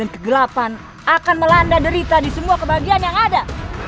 kegelapan akan melanda derita di semua kebahagiaan yang ada